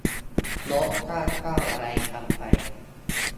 ลดค่าเช่า อะไรกันไป